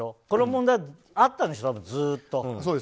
この問題はあったんでしょ、ずっと。